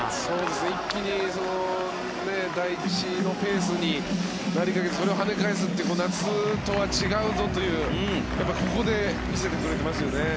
一気に第一のペースになりかけてそれをはね返すという夏とは違うぞというここで見せてくれてますよね。